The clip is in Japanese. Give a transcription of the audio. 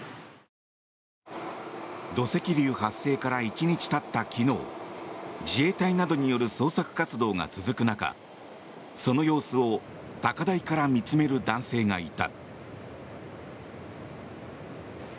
土石流発生から１日たった昨日自衛隊などによる捜索活動が続く中その様子を高台から見つめる男性がいた。